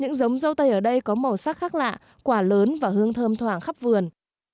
những giống dâu tây ở đây có màu sắc khác lạ quả lớn và hương thơm thoảng khắp vườn